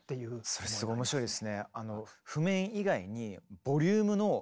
それすごい面白いですね。